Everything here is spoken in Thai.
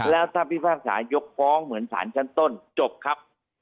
แล้วถ้าพิพากษายกฟ้องเหมือนสารชั้นต้นจบครับ